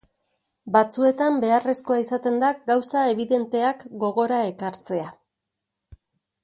Batzuetan beharrezkoa izaten da gauza ebidenteak gogora ekartzea.